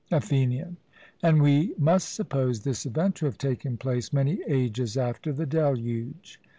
ATHENIAN: And we must suppose this event to have taken place many ages after the deluge?